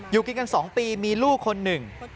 อยู่กินกัน๒ปีมีลูกคนหนึ่ง